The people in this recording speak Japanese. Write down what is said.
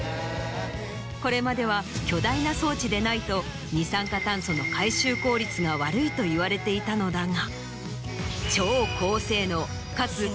これまでは巨大な装置でないと二酸化炭素の回収効率が悪いといわれていたのだが。